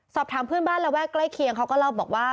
สอบถามเพื่อนบ้านระแวกใกล้เคียงเขาก็เล่าบอกว่า